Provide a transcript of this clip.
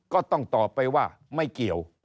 ก็ต้องตอบไปว่าไม่เกี่ยว